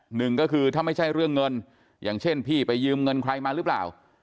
หนึ่งก็คือถ้าไม่ใช่เรื่องเงินอย่างเช่นพี่ไปยืมเงินใครมาหรือเปล่า